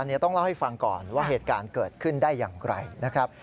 อันนี้ต้องเล่าให้ฟังก่อนว่าเหตุการณ์เกิดขึ้นได้อย่างไรนะครับ